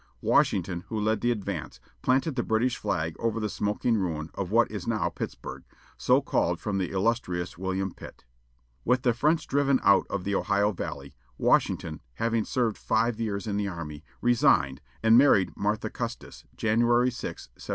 Washington, who led the advance, planted the British flag over the smoking ruin of what is now Pittsburg, so called from the illustrious William Pitt. With the French driven out of the Ohio valley, Washington, having served five years in the army, resigned, and married Martha Custis, January 6, 1759.